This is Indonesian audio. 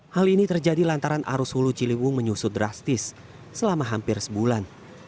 hal ini terjadi lantaran arus hulu ciliwung menyusut drastis selama hampir sebulan